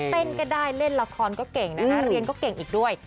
เต้นก็ได้เล่นละครก็เก่งนะคะเรียนก็เก่งอีกด้วย